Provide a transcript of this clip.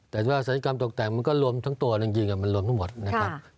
แต่ว่าศัลยกรรมตกแต่งมันก็รวมทั้งตัวจริงมันรวมทั้งหมดนะครับ